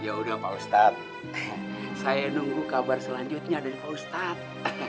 jauh dengan pak ustadz saya nunggu kabar selanjutnya dari pak ustadz